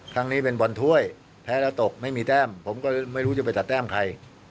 ครั้งนี้เป็นบอลถ้วยแพ้แล้วตกไม่มีแต้มผมก็ไม่รู้จะไปตัดแต้มใคร